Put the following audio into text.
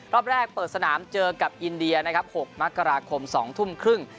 รอบแรกเปิดสนามเจอกับอินเดีย๖มค๒ทุ่มครึ่ง